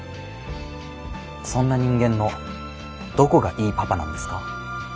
そんな人間のどこがいいパパなんですか？